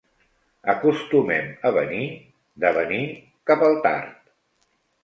Acostumen a venir, de venir, cap al tard.